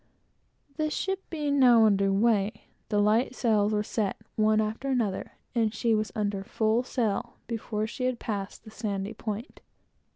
The ship being now under weigh, the light sails were set, one after another, and she was under full sail, before she had passed the sandy point.